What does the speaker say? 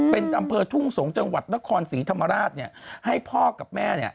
เป็นอำเภอทุ่งสงศ์จังหวัดนครศรีธรรมราชให้พ่อกับแม่เนี่ย